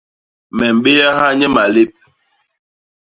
Me mbéaha nye malép.